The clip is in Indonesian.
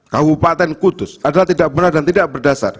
kabupaten kudus adalah tidak benar dan tidak berdasar